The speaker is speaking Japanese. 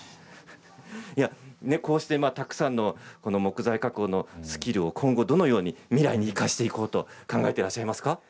こうして、たくさんの木材加工のスキルを今後どのように未来に生かしていこうと考えてらっしゃいますか。